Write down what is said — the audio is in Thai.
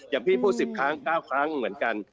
อย่างพี่พูด๑๐ครั้ง๙ครั้งเหมือนกัน